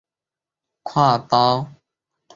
伦大国际课程在香港的历史悠久。